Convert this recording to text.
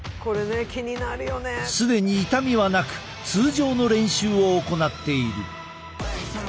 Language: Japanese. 既に痛みはなく通常の練習を行っている。